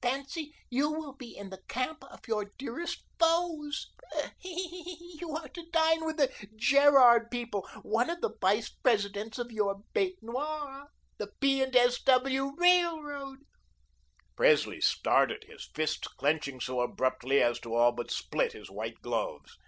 Fancy, you will be in the camp of your dearest foes. You are to dine with the Gerard people, one of the Vice Presidents of your bete noir, the P. and S. W. Railroad." Presley started, his fists clenching so abruptly as to all but split his white gloves.